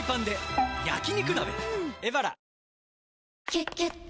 「キュキュット」